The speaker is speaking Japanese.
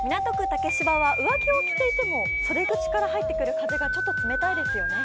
竹芝は上着を着ていても袖口から入ってくる風が調査冷たいですよね。